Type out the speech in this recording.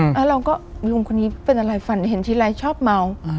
แล้วเราก็ลุงคนนี้เป็นอะไรฝันเห็นทีไรชอบเมา